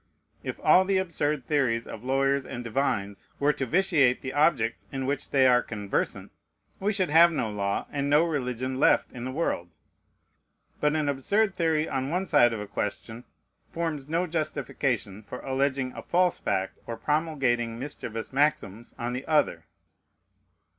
If all the absurd theories of lawyers and divines were to vitiate the objects in which they are conversant, we should have no law and no religion left in the world. But an absurd theory on one side of a question forms no justification for alleging a false fact or promulgating mischievous maxims on the other.